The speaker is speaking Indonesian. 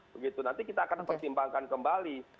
begitu nanti kita akan pertimbangkan kembali